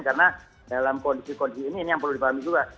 karena dalam kondisi kondisi ini yang perlu dipahami juga